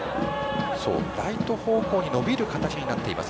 ライト方向に伸びる形になっています